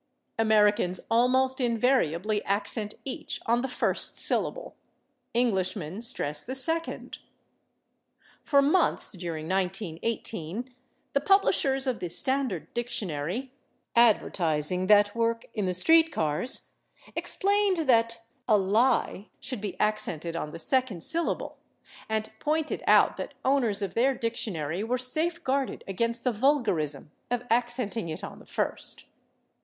Americans almost invariably accent each on the first syllable; Englishmen stress the second. For months, during 1918, the publishers of the Standard Dictionary, advertising that work in the street cars, explained that /ally/ should be accented on the second syllable, and pointed out that owners of their dictionary were safeguarded against the vulgarism of accenting it on the first.